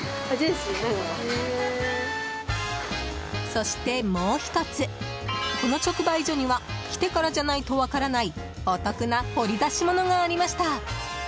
そして、もう１つこの直売所には来てからじゃないと分からないお得な掘り出し物がありました！